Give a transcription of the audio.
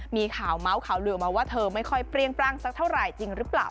มีข่าวเมาส์ข่าวลือออกมาว่าเธอไม่ค่อยเปรี้ยงปร่างสักเท่าไหร่จริงหรือเปล่า